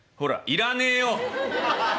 「要らねえよ！